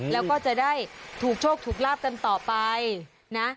แล้วก็จะได้ถูกโชคถูกลาบกันต่อไปนะ